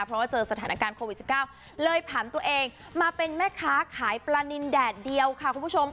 เพราะว่าเจอสถานการณ์โควิด๑๙เลยผันตัวเองมาเป็นแม่ค้าขายปลานินแดดเดียวค่ะคุณผู้ชม